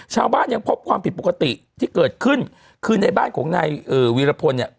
ยังพบความผิดปกติที่เกิดขึ้นคือในบ้านของนายเอ่อวีรพลเนี่ย